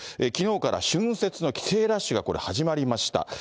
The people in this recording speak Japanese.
きのうから春節の帰省ラッシュが始まりました。